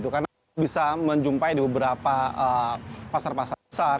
karena bisa menjumpai di beberapa pasar pasar besar